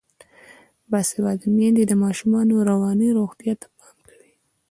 باسواده میندې د ماشومانو رواني روغتیا ته پام کوي.